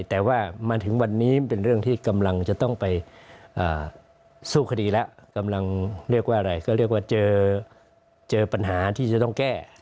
แต่ว่ามาถึงวันนี้เป็นเรื่องที่กำลังจะต้องไปสู้คดีแล้วกำลังเรียกว่าอะไรก็เรียกว่าเจอปัญหาที่จะต้องแก้